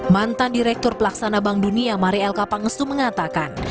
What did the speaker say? mantan direktur pelaksana bank dunia marie l kapangestu mengatakan